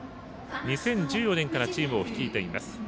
２０１４年からチームを率いています。